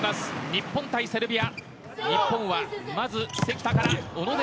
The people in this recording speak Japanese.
日本対セルビア。